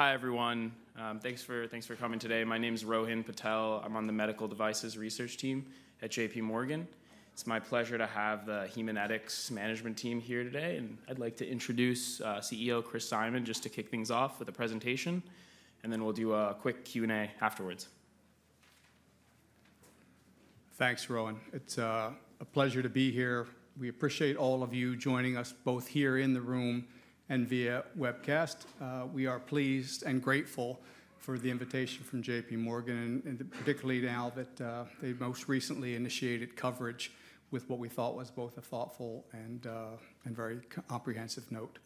Hi, everyone. Thanks for coming today. My name is Rohan Patel. I'm on the Medical Devices Research Team at J.P. Morgan. It's my pleasure to have the Haemonetics management team here today. And I'd like to introduce CEO Chris Simon, just to kick things off with a presentation. And then we'll do a quick Q&A afterwards. Thanks, Rohan. It's a pleasure to be here. We appreciate all of you joining us, both here in the room and via webcast. We are pleased and grateful for the invitation from J.P. Morgan, and particularly now that they most recently initiated coverage with what we thought was both a thoughtful and very comprehensive note.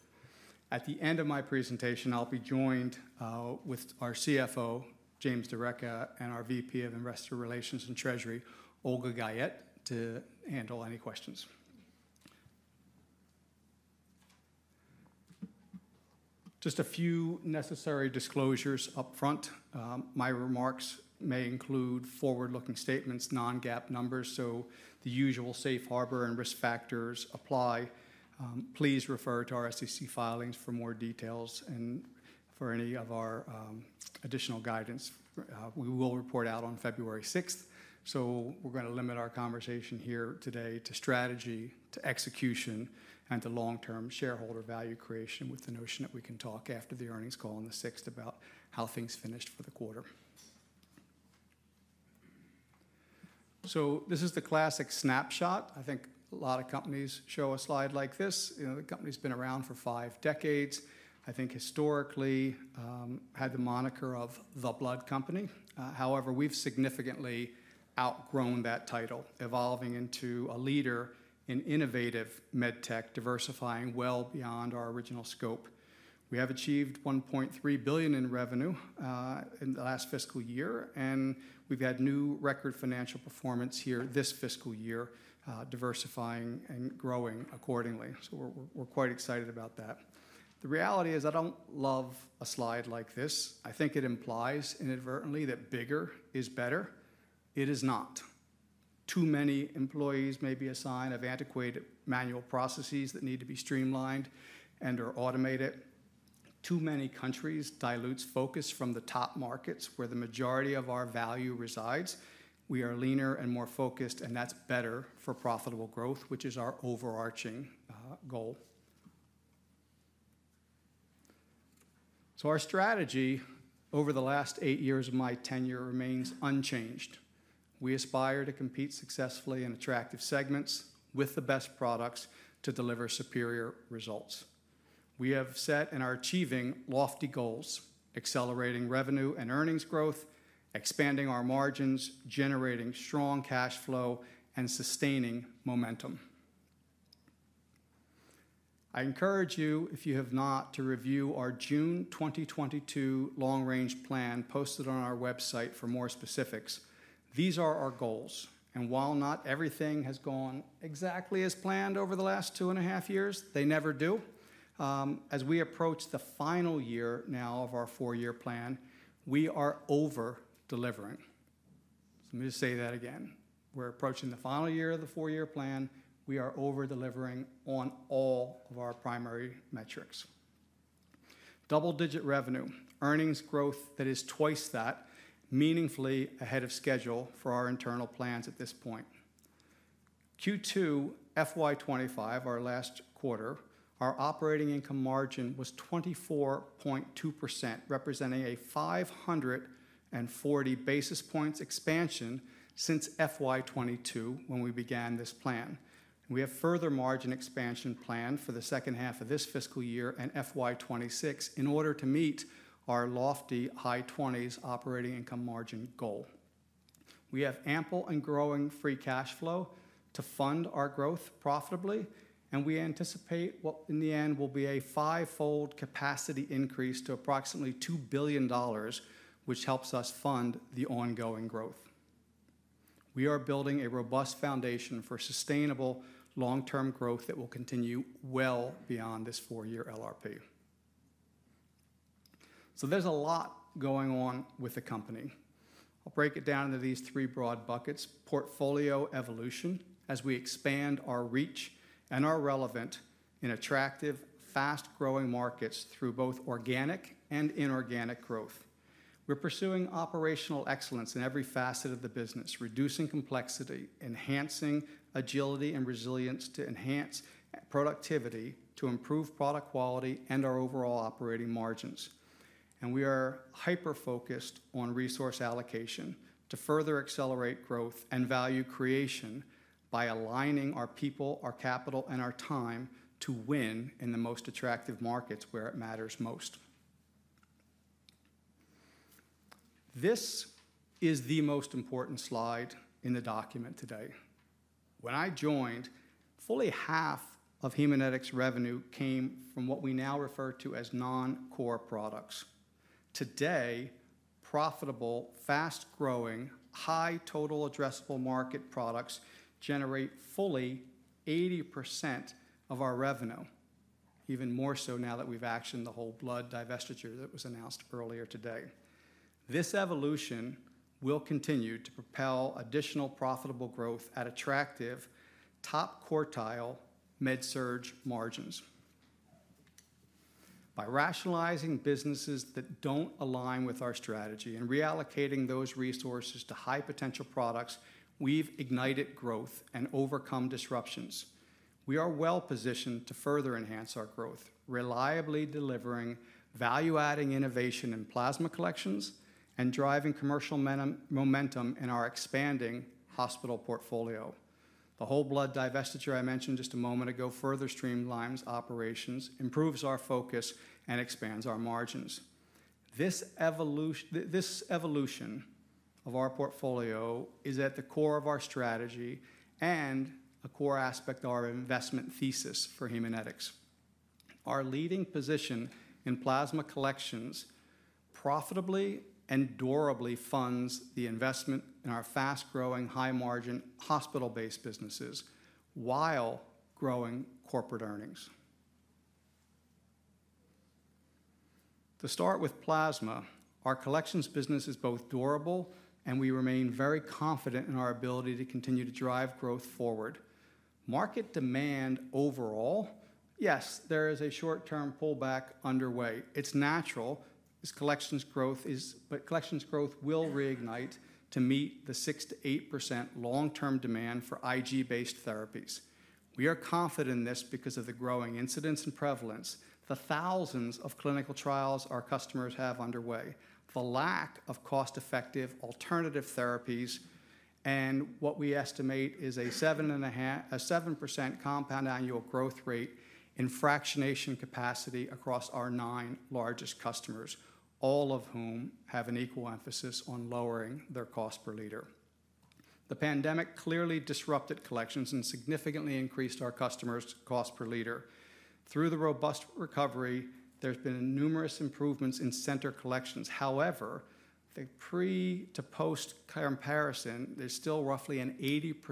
At the end of my presentation, I'll be joined with our CFO, James D'Arecca, and our VP of Investor Relations and Treasury, Olga Guyette, to handle any questions. Just a few necessary disclosures upfront. My remarks may include forward-looking statements, non-GAAP numbers, so the usual safe harbor and risk factors apply. Please refer to our SEC filings for more details and for any of our additional guidance. We will report out on February 6th, so we're going to limit our conversation here today to strategy, to execution, and to long-term shareholder value creation, with the notion that we can talk after the earnings call on the 6th about how things finished for the quarter. So this is the classic snapshot. I think a lot of companies show a slide like this. The company's been around for five decades. I think historically had the moniker of the blood company. However, we've significantly outgrown that title, evolving into a leader in innovative MedTech, diversifying well beyond our original scope. We have achieved $1.3 billion in revenue in the last fiscal year, and we've had new record financial performance here this fiscal year, diversifying and growing accordingly. So we're quite excited about that. The reality is I don't love a slide like this. I think it implies inadvertently that bigger is better. It is not. Too many employees may be a sign of antiquated manual processes that need to be streamlined and/or automated. Too many countries dilute focus from the top markets where the majority of our value resides. We are leaner and more focused, and that's better for profitable growth, which is our overarching goal. So our strategy over the last eight years of my tenure remains unchanged. We aspire to compete successfully in attractive segments with the best products to deliver superior results. We have set and are achieving lofty goals, accelerating revenue and earnings growth, expanding our margins, generating strong cash flow, and sustaining momentum. I encourage you, if you have not, to review our June 2022 long-range plan posted on our website for more specifics. These are our goals. While not everything has gone exactly as planned over the last two and a half years, they never do. As we approach the final year now of our four-year plan, we are over-delivering. Let me just say that again. We're approaching the final year of the four-year plan. We are over-delivering on all of our primary metrics. Double-digit revenue, earnings growth that is twice that, meaningfully ahead of schedule for our internal plans at this point. Q2 FY25, our last quarter, our operating income margin was 24.2%, representing a 540 basis points expansion since FY22 when we began this plan. We have further margin expansion planned for the second half of this fiscal year and FY26 in order to meet our lofty high 20s operating income margin goal. We have ample and growing free cash flow to fund our growth profitably, and we anticipate what in the end will be a five-fold capacity increase to approximately $2 billion, which helps us fund the ongoing growth. We are building a robust foundation for sustainable long-term growth that will continue well beyond this four-year LRP. So there's a lot going on with the company. I'll break it down into these three broad buckets: portfolio evolution as we expand our reach and our relevance in attractive, fast-growing markets through both organic and inorganic growth. We're pursuing operational excellence in every facet of the business, reducing complexity, enhancing agility and resilience to enhance productivity to improve product quality and our overall operating margins. We are hyper-focused on resource allocation to further accelerate growth and value creation by aligning our people, our capital, and our time to win in the most attractive markets where it matters most. This is the most important slide in the document today. When I joined, fully half of Haemonetics' revenue came from what we now refer to as non-core products. Today, profitable, fast-growing, high total addressable market products generate fully 80% of our revenue, even more so now that we've actioned the Whole Blood divestiture that was announced earlier today. This evolution will continue to propel additional profitable growth at attractive top quartile MedSurg margins. By rationalizing businesses that don't align with our strategy and reallocating those resources to high potential products, we've ignited growth and overcome disruptions. We are well-positioned to further enhance our growth, reliably delivering value-adding innovation in plasma collections and driving commercial momentum in our expanding hospital portfolio. The Whole Blood divestiture I mentioned just a moment ago further streamlines operations, improves our focus, and expands our margins. This evolution of our portfolio is at the core of our strategy and a core aspect of our investment thesis for Haemonetics. Our leading position in plasma collections profitably and durably funds the investment in our fast-growing, high-margin hospital-based businesses while growing corporate earnings. To start with plasma, our collections business is both durable, and we remain very confident in our ability to continue to drive growth forward. Market demand overall, yes, there is a short-term pullback underway. It's natural as collections growth will reignite to meet the 6%-8% long-term demand for IgG-based therapies. We are confident in this because of the growing incidence and prevalence, the thousands of clinical trials our customers have underway, the lack of cost-effective alternative therapies, and what we estimate is a 7% compound annual growth rate in fractionation capacity across our nine largest customers, all of whom have an equal emphasis on lowering their cost per liter. The pandemic clearly disrupted collections and significantly increased our customers' cost per liter. Through the robust recovery, there have been numerous improvements in center collections. However, the pre to post comparison, there's still roughly an 80%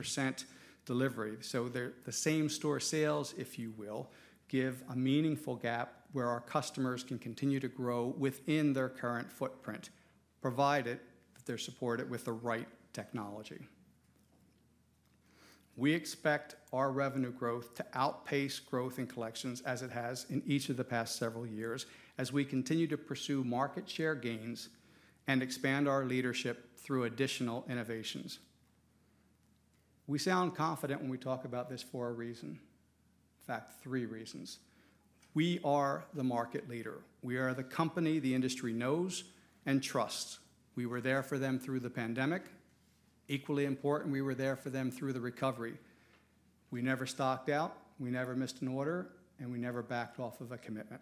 recovery. So the same store sales, if you will, give a meaningful gap where our customers can continue to grow within their current footprint, provided that they're supported with the right technology. We expect our revenue growth to outpace growth in collections as it has in each of the past several years as we continue to pursue market share gains and expand our leadership through additional innovations. We sound confident when we talk about this for a reason. In fact, three reasons. We are the market leader. We are the company the industry knows and trusts. We were there for them through the pandemic. Equally important, we were there for them through the recovery. We never stocked out. We never missed an order, and we never backed off of a commitment.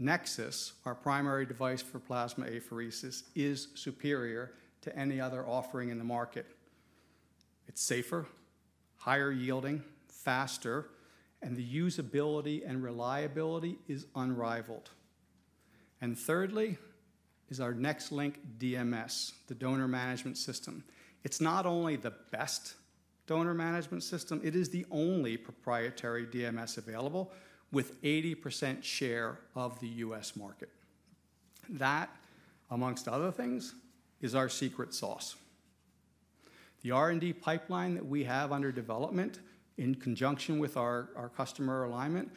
NexSys PCS, our primary device for plasma apheresis, is superior to any other offering in the market. It's safer, higher yielding, faster, and the usability and reliability is unrivaled. And thirdly is our NexLynk DMS, the donor management system. It's not only the best donor management system. It is the only proprietary DMS available with 80% share of the US market. That, among other things, is our secret sauce. The R&D pipeline that we have under development in conjunction with our customer alignment.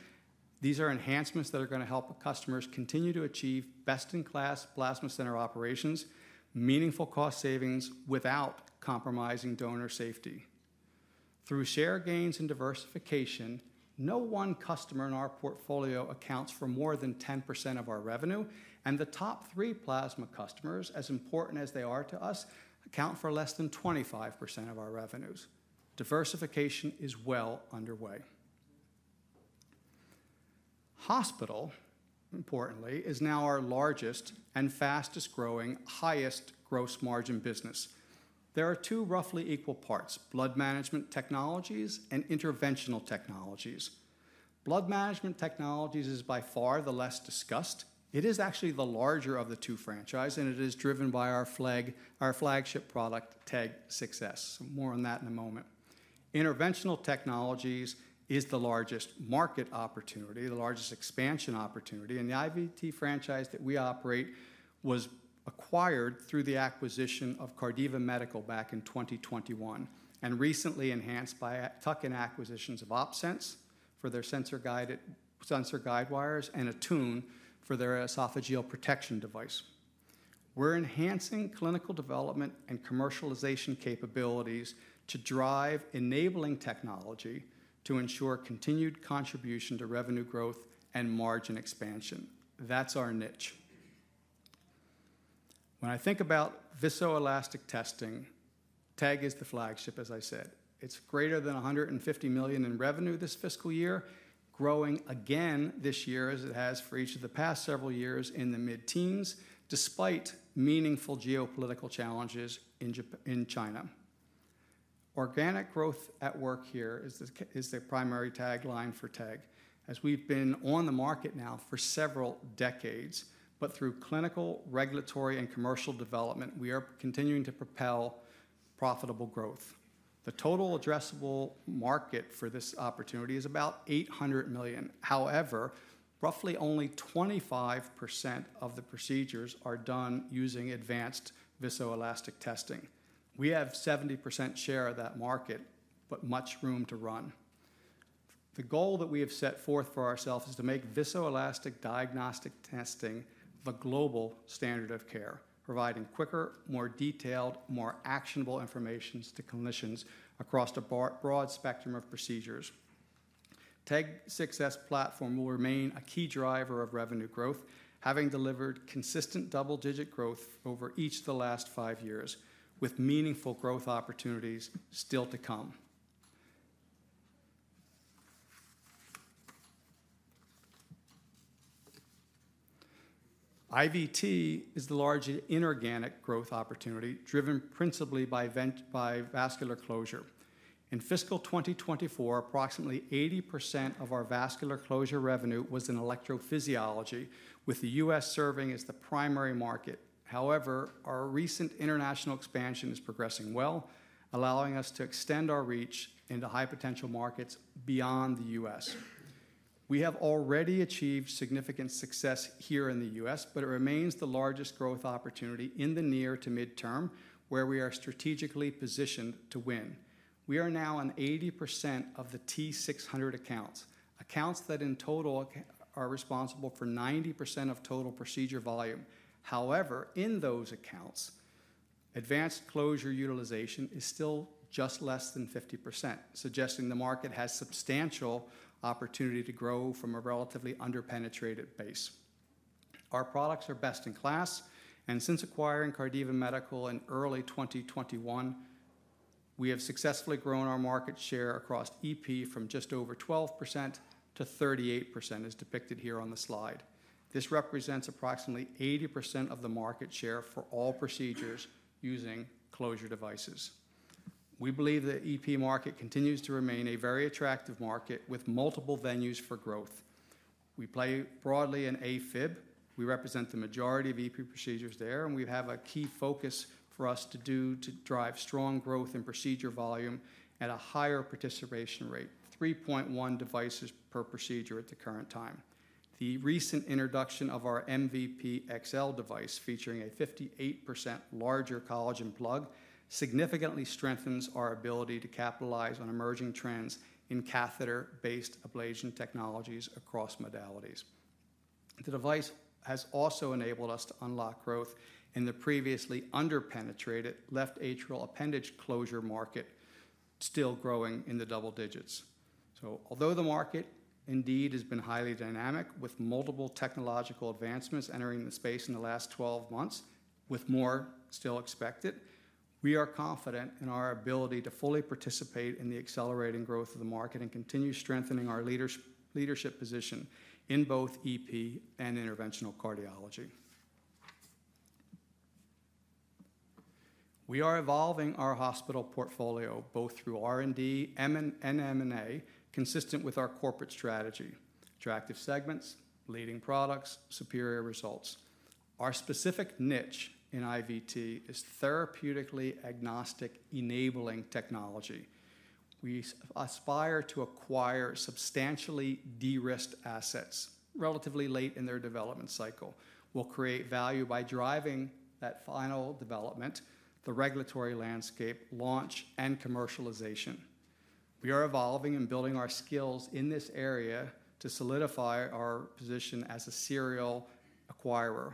These are enhancements that are going to help customers continue to achieve best-in-class plasma center operations, meaningful cost savings without compromising donor safety. Through share gains and diversification, no one customer in our portfolio accounts for more than 10% of our revenue, and the top three plasma customers, as important as they are to us, account for less than 25% of our revenues. Diversification is well underway. Hospital, importantly, is now our largest and fastest-growing, highest gross margin business. There are two roughly equal parts: Blood Management Technologies and Interventional Technologies. Blood Management Technologies is by far the less discussed. It is actually the larger of the two franchises, and it is driven by our flagship product, TEG 6s. More on that in a moment. Interventional Technologies is the largest market opportunity, the largest expansion opportunity, and the IVT franchise that we operate was acquired through the acquisition of Cardiva Medical back in 2021 and recently enhanced by the acquisitions of OpSens for their sensor guidewires and Attune for their esophageal protection device. We're enhancing clinical development and commercialization capabilities to drive enabling technology to ensure continued contribution to revenue growth and margin expansion. That's our niche. When I think about viscoelastic testing, TEG is the flagship, as I said. It's greater than $150 million in revenue this fiscal year, growing again this year as it has for each of the past several years in the mid-teens, despite meaningful geopolitical challenges in China. Organic growth at work here is the primary tagline for TEG. As we've been on the market now for several decades, but through clinical, regulatory, and commercial development, we are continuing to propel profitable growth. The total addressable market for this opportunity is about $800 million. However, roughly only 25% of the procedures are done using advanced viscoelastic testing. We have 70% share of that market, but much room to run. The goal that we have set forth for ourselves is to make viscoelastic diagnostic testing the global standard of care, providing quicker, more detailed, more actionable information to clinicians across a broad spectrum of procedures. TEG 6s platform will remain a key driver of revenue growth, having delivered consistent double-digit growth over each of the last five years, with meaningful growth opportunities still to come. IVT is the largest inorganic growth opportunity driven principally by vascular closure. In fiscal 2024, approximately 80% of our vascular closure revenue was in electrophysiology, with the U.S. serving as the primary market. However, our recent international expansion is progressing well, allowing us to extend our reach into high-potential markets beyond the U.S. We have already achieved significant success here in the U.S., but it remains the largest growth opportunity in the near to midterm where we are strategically positioned to win. We are now on 80% of the top 600 accounts, accounts that in total are responsible for 90% of total procedure volume. However, in those accounts, advanced closure utilization is still just less than 50%, suggesting the market has substantial opportunity to grow from a relatively under-penetrated base. Our products are best in class, and since acquiring Cardiva Medical in early 2021, we have successfully grown our market share across EP from just over 12% to 38%, as depicted here on the slide. This represents approximately 80% of the market share for all procedures using closure devices. We believe the EP market continues to remain a very attractive market with multiple venues for growth. We play broadly in AFib. We represent the majority of EP procedures there, and we have a key focus for us to do to drive strong growth in procedure volume at a higher participation rate, 3.1 devices per procedure at the current time. The recent introduction of our MVP XL device, featuring a 58% larger collagen plug, significantly strengthens our ability to capitalize on emerging trends in catheter-based ablation technologies across modalities. The device has also enabled us to unlock growth in the previously under-penetrated left atrial appendage closure market, still growing in the double digits. So although the market indeed has been highly dynamic with multiple technological advancements entering the space in the last 12 months, with more still expected, we are confident in our ability to fully participate in the accelerating growth of the market and continue strengthening our leadership position in both EP and interventional cardiology. We are evolving our hospital portfolio both through R&D and M&A, consistent with our corporate strategy: attractive segments, leading products, superior results. Our specific niche in IVT is therapeutically agnostic enabling technology. We aspire to acquire substantially de-risked assets relatively late in their development cycle. We'll create value by driving that final development, the regulatory landscape, launch, and commercialization. We are evolving and building our skills in this area to solidify our position as a serial acquirer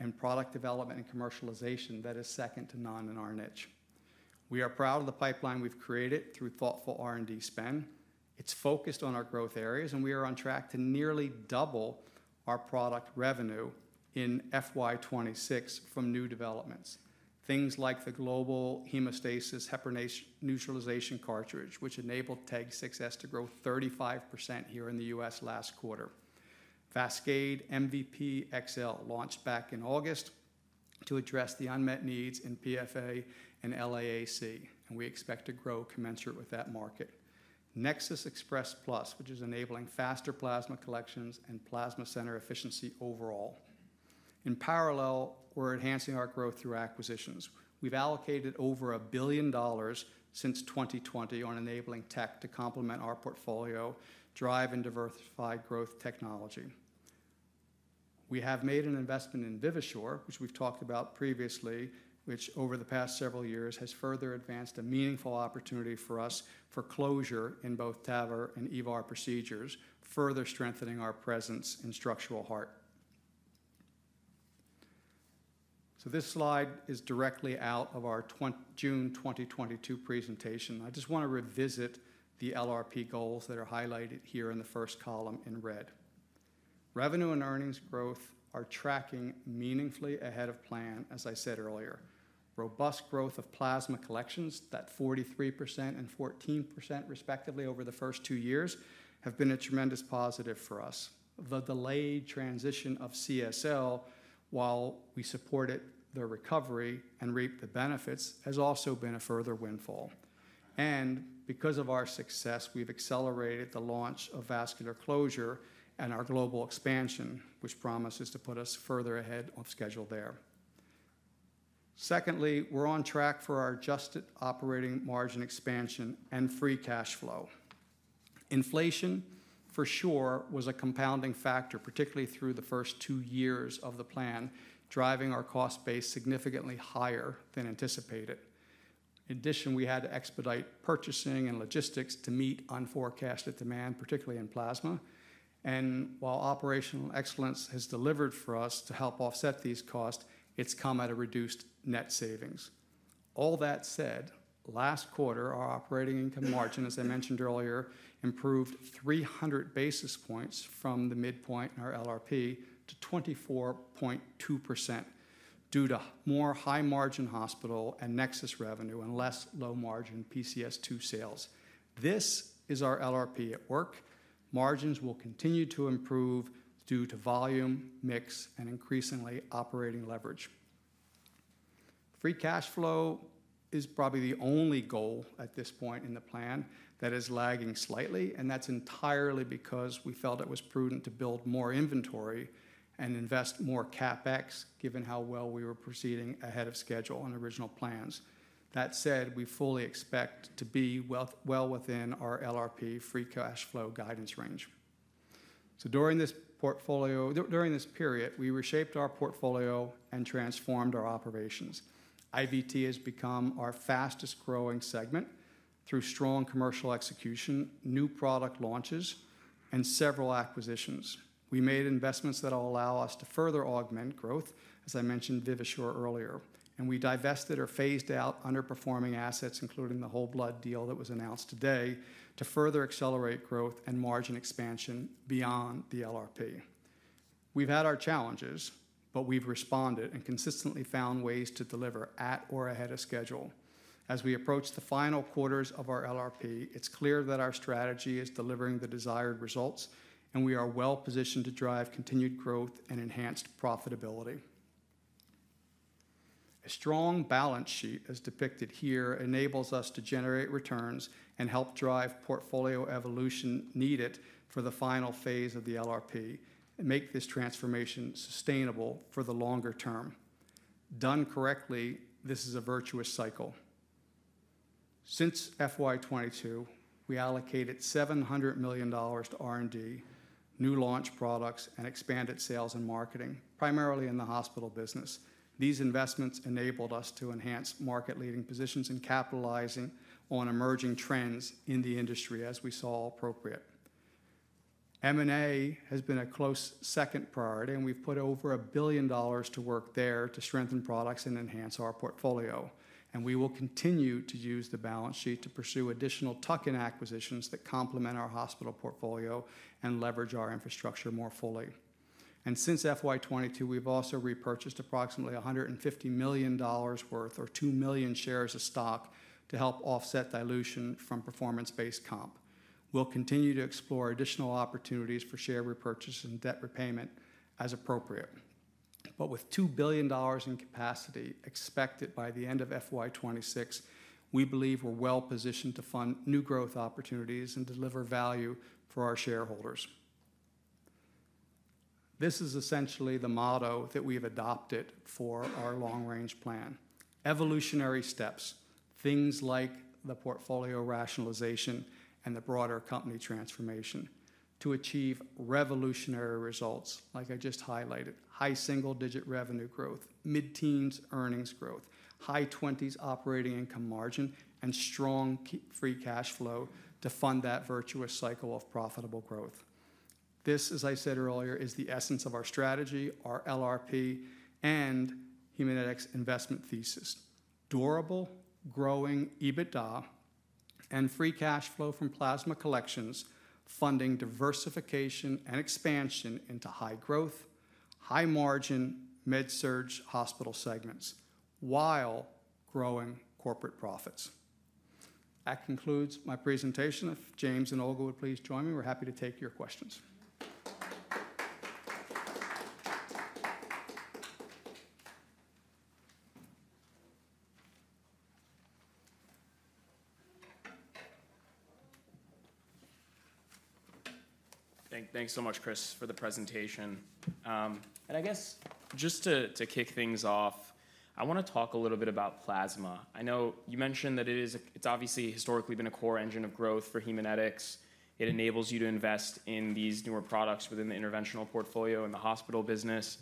in product development and commercialization that is second to none in our niche. We are proud of the pipeline we've created through thoughtful R&D spend. It's focused on our growth areas, and we are on track to nearly double our product revenue in FY26 from new developments, things like the Global Hemostasis heparin neutralization cartridge, which enabled TEG 6s to grow 35% here in the US last quarter. VASCADE MVP XL launched back in August to address the unmet needs in PFA and LAAC, and we expect to grow commensurate with that market. NexSys PCS with Express Plus, which is enabling faster plasma collections and plasma center efficiency overall. In parallel, we're enhancing our growth through acquisitions. We've allocated over $1 billion since 2020 on enabling tech to complement our portfolio, driving diversified growth technology. We have made an investment in Vivasure, which we've talked about previously, which over the past several years has further advanced a meaningful opportunity for us for closure in both TAVR and EVAR procedures, further strengthening our presence in structural heart. So this slide is directly out of our June 2022 presentation. I just want to revisit the LRP goals that are highlighted here in the first column in red. Revenue and earnings growth are tracking meaningfully ahead of plan, as I said earlier. Robust growth of plasma collections, that 43% and 14% respectively over the first two years, have been a tremendous positive for us. The delayed transition of CSL, while we supported the recovery and reaped the benefits, has also been a further windfall. And because of our success, we've accelerated the launch of vascular closure and our global expansion, which promises to put us further ahead of schedule there. Secondly, we're on track for our adjusted operating margin expansion and free cash flow. Inflation, for sure, was a compounding factor, particularly through the first two years of the plan, driving our cost base significantly higher than anticipated. In addition, we had to expedite purchasing and logistics to meet unforecasted demand, particularly in plasma. And while operational excellence has delivered for us to help offset these costs, it's come at a reduced net savings. All that said, last quarter, our operating income margin, as I mentioned earlier, improved 300 basis points from the midpoint in our LRP to 24.2% due to more high-margin hospital and NexSys revenue and less low-margin PCS2 sales. This is our LRP at work. Margins will continue to improve due to volume, mix, and increasingly operating leverage. free cash flow is probably the only goal at this point in the plan that is lagging slightly, and that's entirely because we felt it was prudent to build more inventory and invest more CapEx, given how well we were proceeding ahead of schedule on original plans. That said, we fully expect to be well within our LRP free cash flow guidance range. So during this portfolio, during this period, we reshaped our portfolio and transformed our operations. IVT has become our fastest-growing segment through strong commercial execution, new product launches, and several acquisitions. We made investments that will allow us to further augment growth, as I mentioned Vivasure earlier. And we divested or phased out underperforming assets, including the Whole Blood deal that was announced today, to further accelerate growth and margin expansion beyond the LRP. We've had our challenges, but we've responded and consistently found ways to deliver at or ahead of schedule. As we approach the final quarters of our LRP, it's clear that our strategy is delivering the desired results, and we are well positioned to drive continued growth and enhanced profitability. A strong balance sheet, as depicted here, enables us to generate returns and help drive portfolio evolution needed for the final phase of the LRP and make this transformation sustainable for the longer term. Done correctly, this is a virtuous cycle. Since FY22, we allocated $700 million to R&D, new launch products, and expanded sales and marketing, primarily in the hospital business. These investments enabled us to enhance market-leading positions and capitalizing on emerging trends in the industry as we saw appropriate. M&A has been a close second priority, and we've put over $1 billion to work there to strengthen products and enhance our portfolio. We will continue to use the balance sheet to pursue additional tuck-in acquisitions that complement our hospital portfolio and leverage our infrastructure more fully. Since FY 2022, we've also repurchased approximately $150 million worth or two million shares of stock to help offset dilution from performance-based comp. We'll continue to explore additional opportunities for share repurchase and debt repayment as appropriate. With $2 billion in capacity expected by the end of FY 2026, we believe we're well positioned to fund new growth opportunities and deliver value for our shareholders. This is essentially the motto that we've adopted for our long-range plan: evolutionary steps, things like the portfolio rationalization and the broader company transformation to achieve revolutionary results, like I just highlighted: high single-digit revenue growth, mid-teens earnings growth, high 20s operating income margin, and strong free cash flow to fund that virtuous cycle of profitable growth. This, as I said earlier, is the essence of our strategy, our LRP, and Haemonetics investment thesis: durable, growing EBITDA and free cash flow from plasma collections, funding diversification and expansion into high growth, high-margin, MedSurg hospital segments while growing corporate profits. That concludes my presentation. If James and Olga would please join me, we're happy to take your questions. Thanks so much, Chris, for the presentation, and I guess just to kick things off, I want to talk a little bit about plasma. I know you mentioned that it's obviously historically been a core engine of growth for Haemonetics. It enables you to invest in these newer products within the interventional portfolio in the hospital business,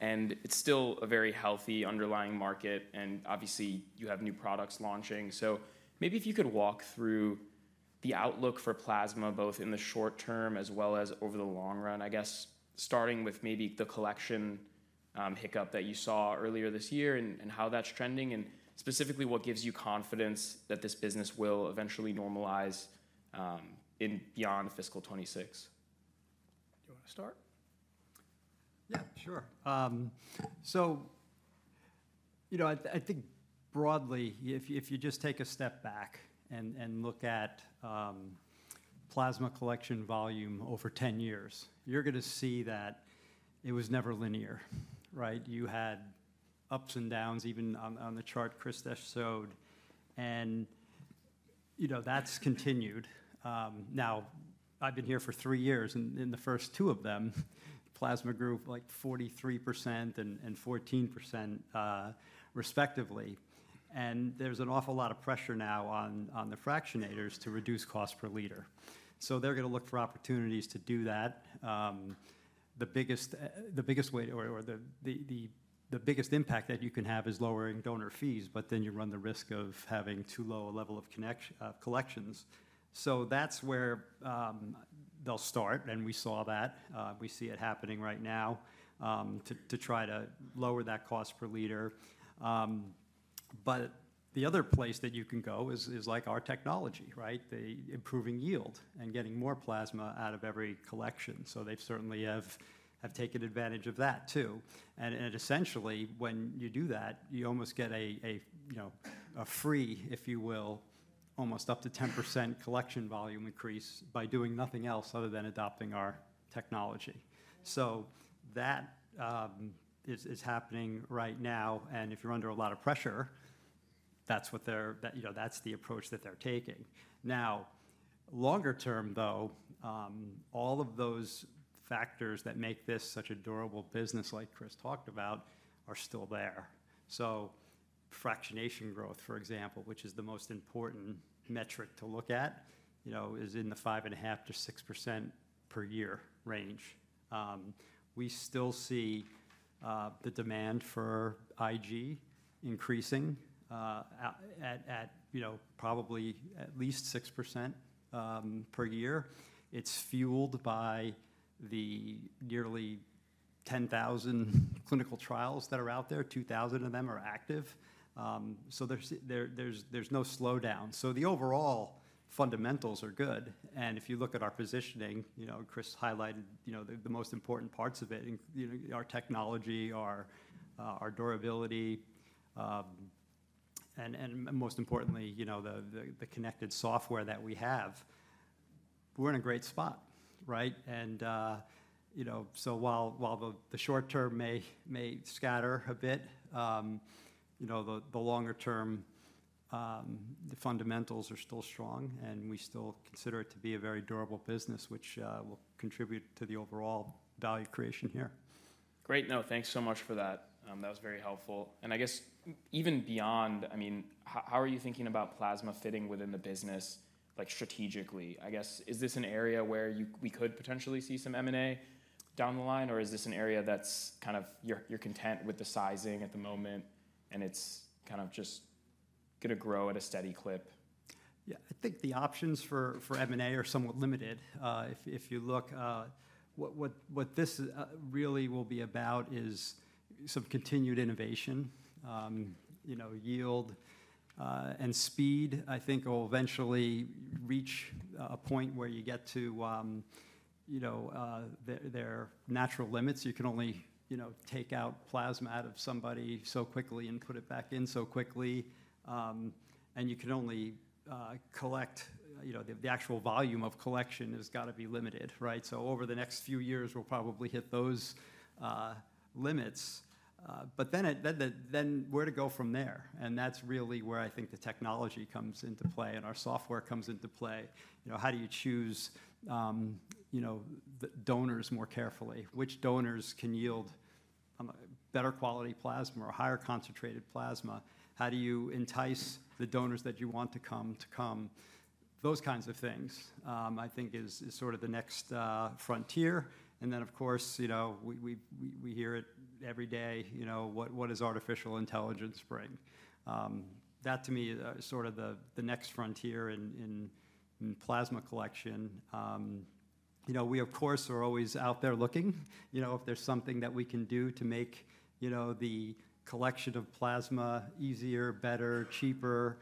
and it's still a very healthy underlying market, and obviously, you have new products launching. So maybe if you could walk through the outlook for plasma, both in the short term as well as over the long run, I guess starting with maybe the collection hiccup that you saw earlier this year and how that's trending, and specifically what gives you confidence that this business will eventually normalize beyond fiscal 2026. Do you want to start? Yeah, sure. So I think broadly, if you just take a step back and look at plasma collection volume over 10 years, you're going to see that it was never linear, right? You had ups and downs, even on the chart Chris just showed, and that's continued. Now, I've been here for three years, and in the first two of them, plasma grew like 43% and 14% respectively. And there's an awful lot of pressure now on the fractionators to reduce cost per liter. So they're going to look for opportunities to do that. The biggest way or the biggest impact that you can have is lowering donor fees, but then you run the risk of having too low a level of collections. So that's where they'll start, and we saw that. We see it happening right now to try to lower that cost per liter. But the other place that you can go is like our technology, right? Improving yield and getting more plasma out of every collection. So they certainly have taken advantage of that too. And essentially, when you do that, you almost get a free, if you will, almost up to 10% collection volume increase by doing nothing else other than adopting our technology. So that is happening right now. And if you're under a lot of pressure, that's the approach that they're taking. Now, longer term, though, all of those factors that make this such a durable business, like Chris talked about, are still there. So fractionation growth, for example, which is the most important metric to look at, is in the 5.5%-6% per year range. We still see the demand for IgG increasing at probably at least 6% per year. It's fueled by the nearly 10,000 clinical trials that are out there. 2,000 of them are active. So there's no slowdown. So the overall fundamentals are good. And if you look at our positioning, Chris highlighted the most important parts of it: our technology, our durability, and most importantly, the connected software that we have. We're in a great spot, right? And so while the short term may scatter a bit, the longer term, the fundamentals are still strong, and we still consider it to be a very durable business, which will contribute to the overall value creation here. Great. No, thanks so much for that. That was very helpful. And I guess even beyond, I mean, how are you thinking about plasma fitting within the business, like strategically? I guess, is this an area where we could potentially see some M&A down the line, or is this an area that's kind of where you're content with the sizing at the moment, and it's kind of just going to grow at a steady clip? Yeah, I think the options for M&A are somewhat limited. If you look, what this really will be about is some continued innovation. Yield and speed, I think, will eventually reach a point where you get to their natural limits. You can only take out plasma out of somebody so quickly and put it back in so quickly. And you can only collect the actual volume of collection has got to be limited, right? So over the next few years, we'll probably hit those limits. But then where to go from there? And that's really where I think the technology comes into play and our software comes into play. How do you choose donors more carefully? Which donors can yield better quality plasma or higher concentrated plasma? How do you entice the donors that you want to come to come? Those kinds of things, I think, is sort of the next frontier. And then, of course, we hear it every day. What does artificial intelligence bring? That, to me, is sort of the next frontier in plasma collection. We, of course, are always out there looking if there's something that we can do to make the collection of plasma easier, better, cheaper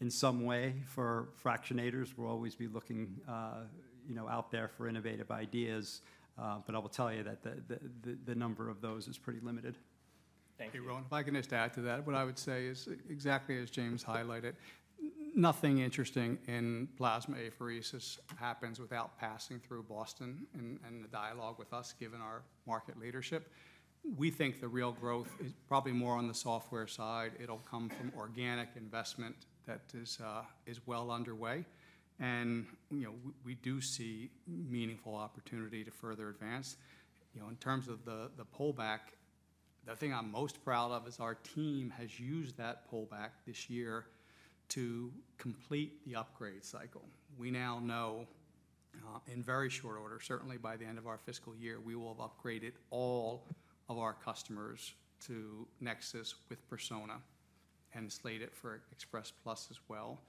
in some way for fractionators. We'll always be looking out there for innovative ideas. But I will tell you that the number of those is pretty limited. Thank you. If I can just add to that, what I would say is exactly as James highlighted. Nothing interesting in plasma apheresis happens without passing through Boston and the dialogue with us, given our market leadership. We think the real growth is probably more on the software side. It'll come from organic investment that is well underway, and we do see meaningful opportunity to further advance. In terms of the pullback, the thing I'm most proud of is our team has used that pullback this year to complete the upgrade cycle. We now know, in very short order, certainly by the end of our fiscal year, we will have upgraded all of our customers to NexSys with Persona and slate it for Express Plus as well.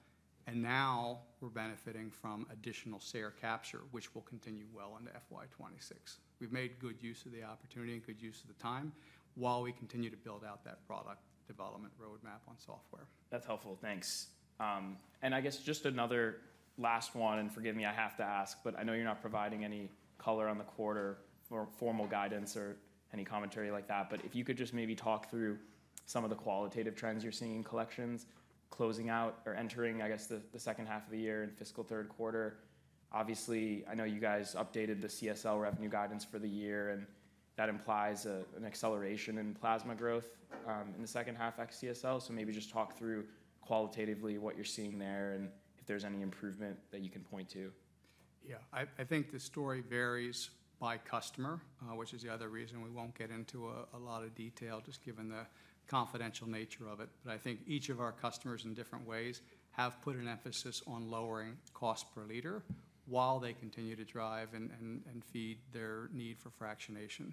And now we're benefiting from additional share capture, which will continue well into FY26. We've made good use of the opportunity and good use of the time while we continue to build out that product development roadmap on software. That's helpful. Thanks. And I guess just another last one, and forgive me, I have to ask, but I know you're not providing any color on the quarter for formal guidance or any commentary like that. But if you could just maybe talk through some of the qualitative trends you're seeing in collections closing out or entering, I guess, the second half of the year and fiscal third quarter. Obviously, I know you guys updated the CSL revenue guidance for the year, and that implies an acceleration in plasma growth in the second half of CSL. So maybe just talk through qualitatively what you're seeing there and if there's any improvement that you can point to. Yeah, I think the story varies by customer, which is the other reason we won't get into a lot of detail just given the confidential nature of it. But I think each of our customers in different ways have put an emphasis on lowering cost per liter while they continue to drive and feed their need for fractionation.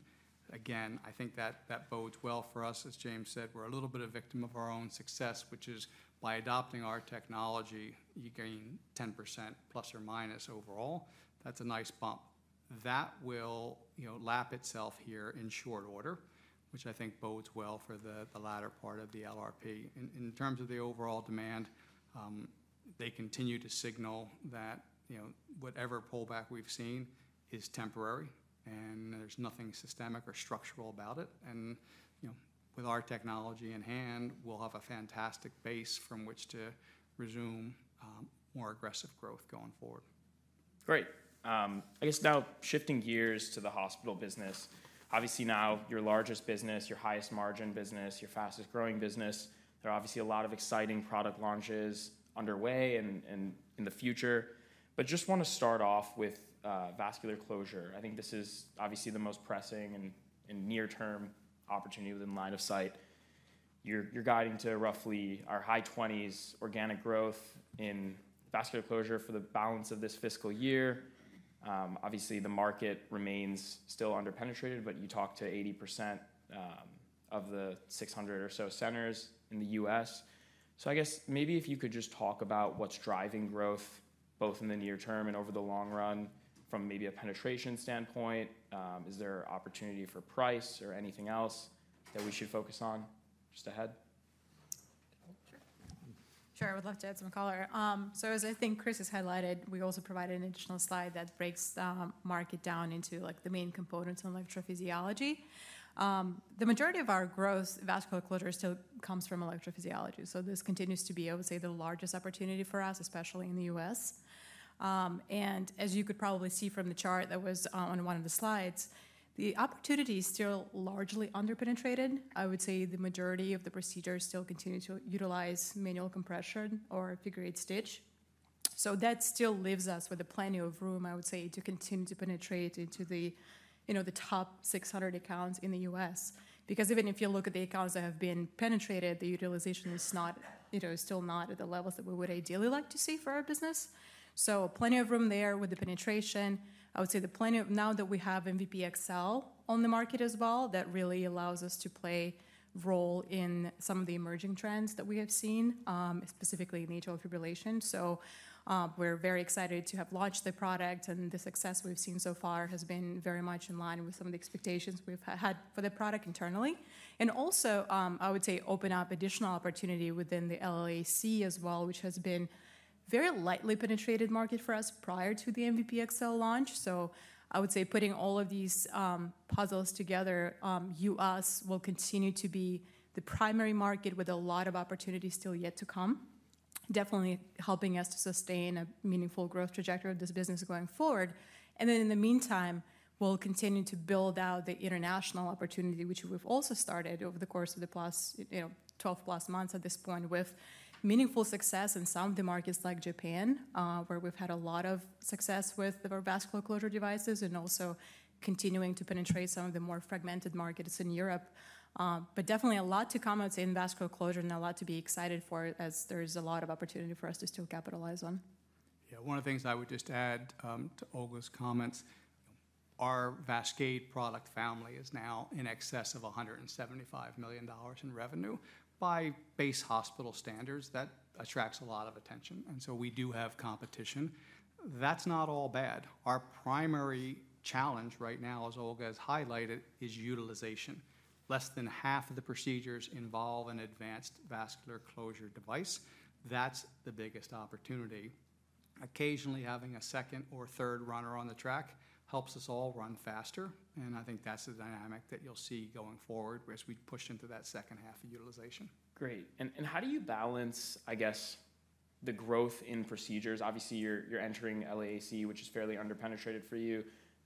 Again, I think that bodes well for us. As James said, we're a little bit a victim of our own success, which is by adopting our technology, you gain 10% plus or minus overall. That's a nice bump. That will lap itself here in short order, which I think bodes well for the latter part of the LRP. In terms of the overall demand, they continue to signal that whatever pullback we've seen is temporary, and there's nothing systemic or structural about it. With our technology in hand, we'll have a fantastic base from which to resume more aggressive growth going forward. Great. I guess now shifting gears to the hospital business. Obviously, now your largest business, your highest margin business, your fastest growing business, there are obviously a lot of exciting product launches underway and in the future. But just want to start off with vascular closure. I think this is obviously the most pressing and near-term opportunity within line of sight. You're guiding to roughly our high 20s organic growth in vascular closure for the balance of this fiscal year. Obviously, the market remains still underpenetrated, but you talk to 80% of the 600 or so centers in the U.S. So I guess maybe if you could just talk about what's driving growth both in the near term and over the long run from maybe a penetration standpoint, is there opportunity for price or anything else that we should focus on just ahead? Sure. I would love to add some color. So as I think Chris has highlighted, we also provide an additional slide that breaks the market down into the main components on electrophysiology. The majority of our growth vascular closure still comes from electrophysiology. So this continues to be, I would say, the largest opportunity for us, especially in the US, and as you could probably see from the chart that was on one of the slides, the opportunity is still largely underpenetrated. I would say the majority of the procedures still continue to utilize manual compression or figure-eight stitch. So that still leaves us with plenty of room, I would say, to continue to penetrate into the top 600 accounts in the US. Because even if you look at the accounts that have been penetrated, the utilization is still not at the levels that we would ideally like to see for our business, so plenty of room there with the penetration. I would say plenty now that we have MVP XL on the market as well, that really allows us to play a role in some of the emerging trends that we have seen, specifically in atrial fibrillation, so we're very excited to have launched the product, and the success we've seen so far has been very much in line with some of the expectations we've had for the product internally, and also, I would say open up additional opportunity within the LAAC as well, which has been a very lightly penetrated market for us prior to the MVP XL launch. I would say putting all of these puzzles together, the U.S. will continue to be the primary market with a lot of opportunity still yet to come, definitely helping us to sustain a meaningful growth trajectory of this business going forward, and then in the meantime, we'll continue to build out the international opportunity, which we've also started over the course of the 12-plus months at this point with meaningful success in some of the markets like Japan, where we've had a lot of success with our vascular closure devices and also continuing to penetrate some of the more fragmented markets in Europe, but definitely a lot to come out in vascular closure and a lot to be excited for, as there's a lot of opportunity for us to still capitalize on. Yeah, one of the things I would just add to Olga's comments, our VASCADE product family is now in excess of $175 million in revenue by base hospital standards. That attracts a lot of attention. And so we do have competition. That's not all bad. Our primary challenge right now, as Olga has highlighted, is utilization. Less than half of the procedures involve an advanced vascular closure device. That's the biggest opportunity. Occasionally having a second or third runner on the track helps us all run faster. And I think that's the dynamic that you'll see going forward as we push into that second half of utilization. Great. And how do you balance, I guess, the growth in procedures? Obviously, you're entering LAAC, which is fairly underpenetrated for you.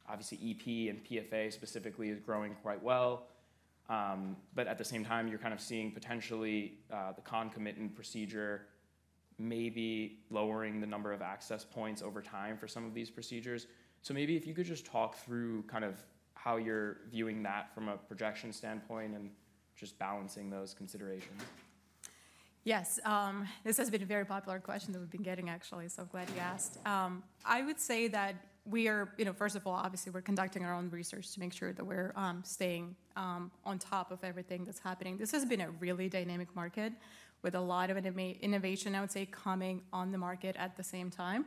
Obviously, EP and PFA specifically is growing quite well. But at the same time, you're kind of seeing potentially the concomitant procedure maybe lowering the number of access points over time for some of these procedures. So maybe if you could just talk through kind of how you're viewing that from a projection standpoint and just balancing those considerations. Yes. This has been a very popular question that we've been getting, actually. So I'm glad you asked. I would say that we are, first of all, obviously, we're conducting our own research to make sure that we're staying on top of everything that's happening. This has been a really dynamic market with a lot of innovation, I would say, coming on the market at the same time.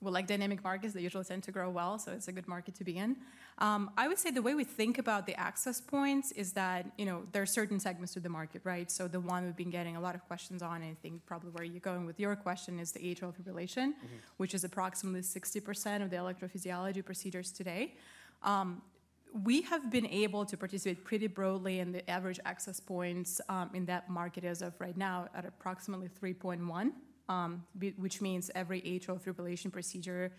Well, like dynamic markets, they usually tend to grow well, so it's a good market to be in. I would say the way we think about the access points is that there are certain segments of the market, right? So the one we've been getting a lot of questions on, and I think probably where you're going with your question is the atrial fibrillation, which is approximately 60% of the electrophysiology procedures today. We have been able to participate pretty broadly in the average access points in that market as of right now at approximately 3.1, which means every atrial fibrillation procedure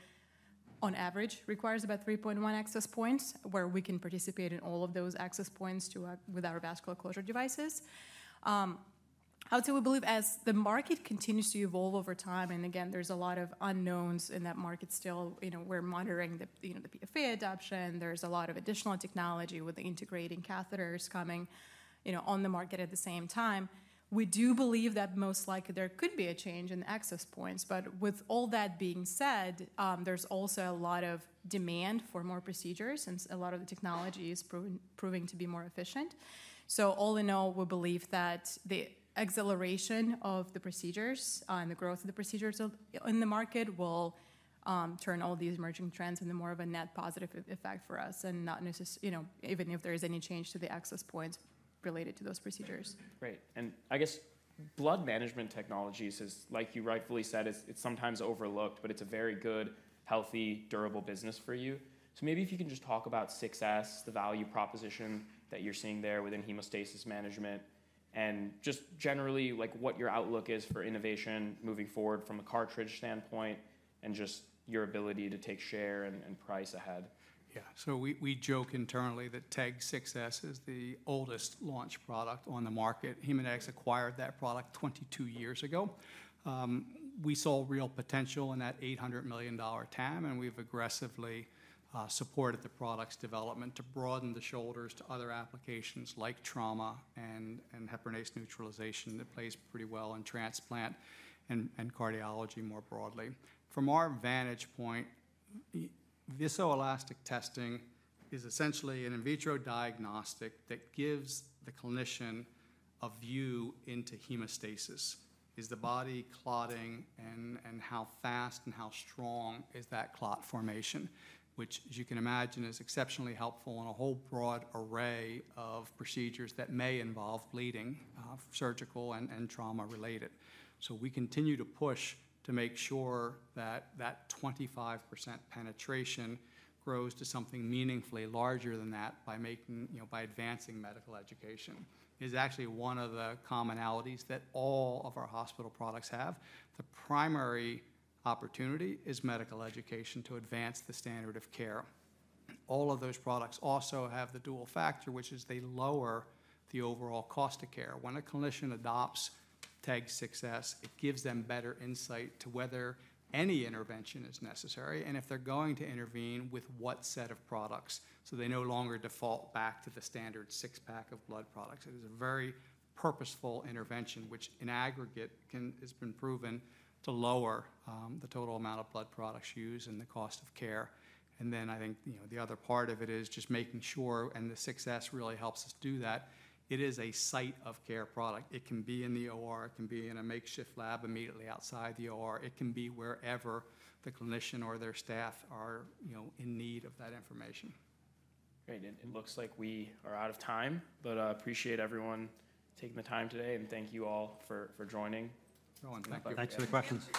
on average requires about 3.1 access points where we can participate in all of those access points with our vascular closure devices. I would say we believe as the market continues to evolve over time, and again, there's a lot of unknowns in that market still. We're monitoring the PFA adoption. There's a lot of additional technology with the integrating catheters coming on the market at the same time. We do believe that most likely there could be a change in the access points. But with all that being said, there's also a lot of demand for more procedures since a lot of the technology is proving to be more efficient. So all in all, we believe that the acceleration of the procedures and the growth of the procedures in the market will turn all these emerging trends into more of a net positive effect for us, and not even if there is any change to the access points related to those procedures. Great. And I guess Blood Management Technologies, like you rightfully said, it's sometimes overlooked, but it's a very good, healthy, durable business for you. So maybe if you can just talk about TEG 6s, the value proposition that you're seeing there within hemostasis management, and just generally what your outlook is for innovation moving forward from a cartridge standpoint and just your ability to take share and price ahead. Yeah. So we joke internally that TEG 6s is the oldest launch product on the market. Haemonetics acquired that product 22 years ago. We saw real potential in that $800 million TAM, and we've aggressively supported the product's development to broaden the shoulders to other applications like trauma and heparinase neutralization that plays pretty well in transplant and cardiology more broadly. From our vantage point, viscoelastic testing is essentially an in vitro diagnostic that gives the clinician a view into hemostasis. Is the body clotting, and how fast and how strong is that clot formation, which, as you can imagine, is exceptionally helpful in a whole broad array of procedures that may involve bleeding, surgical, and trauma-related. So we continue to push to make sure that that 25% penetration grows to something meaningfully larger than that by advancing medical education. It's actually one of the commonalities that all of our hospital products have. The primary opportunity is medical education to advance the standard of care. All of those products also have the dual factor, which is they lower the overall cost of care. When a clinician adopts TEG 6s, it gives them better insight to whether any intervention is necessary and if they're going to intervene with what set of products so they no longer default back to the standard six-pack of blood products. It is a very purposeful intervention, which in aggregate has been proven to lower the total amount of blood products used and the cost of care. And then I think the other part of it is just making sure, and the 6s really helps us do that. It is a site-of-care product. It can be in the OR. It can be in a makeshift lab immediately outside the OR. It can be wherever the clinician or their staff are in need of that information. Great. And it looks like we are out of time, but I appreciate everyone taking the time today, and thank you all for joining. Thank you. Thanks for the questions.